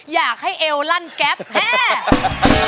อยากให้เอวลั่นแก๊สแพร่